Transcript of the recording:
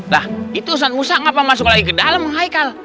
lah itu ustadz musa kenapa masuk lagi ke dalam hai kal